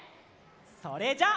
それじゃあ。